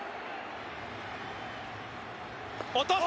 落とす。